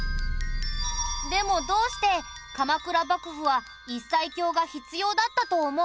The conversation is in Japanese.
でもどうして鎌倉幕府は一切経が必要だったと思う？